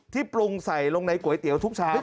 ปรุงใส่ลงในก๋วยเตี๋ยวทุกชาม